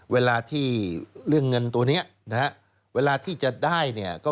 เวลาที่เลือกเงินตัวนี้